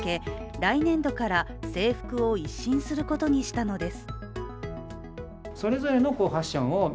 来年度から制服を一新することにしたのです。